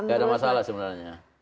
nggak ada masalah sebenarnya